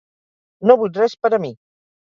No vull res per a mi.